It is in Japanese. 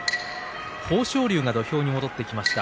豊昇龍が土俵に戻ってきました。